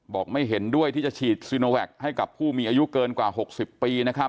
บอกไม่เห็นด้วยที่จะฉีดซิโนแวคให้กับผู้มีอายุเกินกว่าหกสิบปี